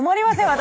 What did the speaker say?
私